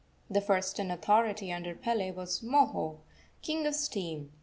The first in authority under Pele was Moho, king of steam.